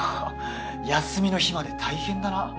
休みの日まで大変だな。